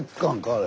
あれ。